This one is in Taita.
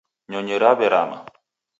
Nyonyi raw'erama.